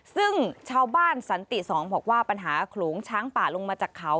ซึ่งชาวบ้านสันติ๒บอกว่าปัญหาโขลงช้างป่าลงมาจากเขา